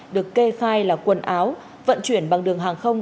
được kê khai là quần áo vận chuyển bằng đường hàng không